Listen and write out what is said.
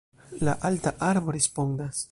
La alta arbo respondas: